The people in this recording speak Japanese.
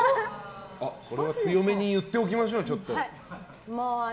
これは強めに言っておきましょうよ。